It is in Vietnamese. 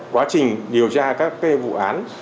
quá trình điều tra các vụ án